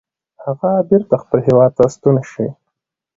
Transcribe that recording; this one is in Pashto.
هغه بیرته خپل هیواد ته ستون شي.